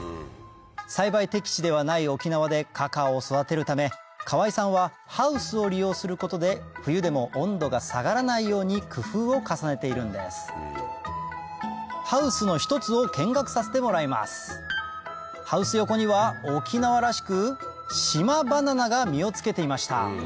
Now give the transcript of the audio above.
栽培適地ではない沖縄でカカオを育てるため川合さんはハウスを利用することで冬でも温度が下がらないように工夫を重ねているんですハウスの１つを見学させてもらいますハウス横には沖縄らしく島バナナが実をつけていました